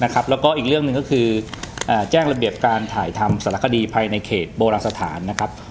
แล้วก็อีกเรื่องหนึ่งก็คือแจ้งระเบียบการถ่ายทำสารคดีภายในเขตโบราณสถานนะครับ